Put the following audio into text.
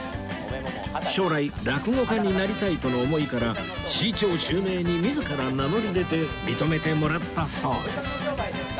将来落語家になりたいとの思いから「志い朝」襲名に自ら名乗り出て認めてもらったそうです